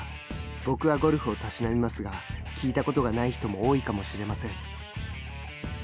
僕はゴルフをたしなみますが聞いたことがない人も多いかもしれません。